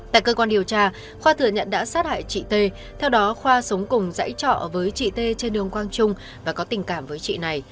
tại cơ quan điều tra khoa thừa nhận đã sát hại chị t theo đó khoa sống cùng dãy trọ với chị t trên đường quang trung và có tình cảm với chị này